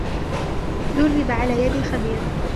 دُرب على يد خبير.